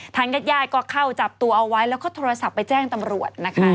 ญาติญาติก็เข้าจับตัวเอาไว้แล้วก็โทรศัพท์ไปแจ้งตำรวจนะคะ